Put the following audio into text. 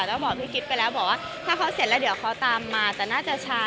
ก็บอกพี่กิ๊บไปแล้วบอกว่าถ้าเขาเสร็จแล้วเดี๋ยวเขาตามมาแต่น่าจะช้า